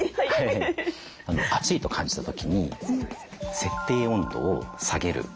暑いと感じた時に設定温度を下げる。